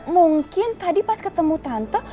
mungkin tadi pas ketemu tanto